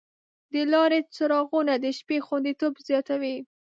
د لارې څراغونه د شپې خوندیتوب زیاتوي.